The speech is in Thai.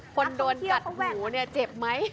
คนโดนกัดหูเนี่ยเจ็บไหม